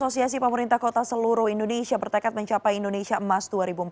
asosiasi pemerintah kota seluruh indonesia bertekad mencapai indonesia emas dua ribu empat puluh lima